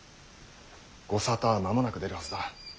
ご沙汰は間もなく出るはずだ。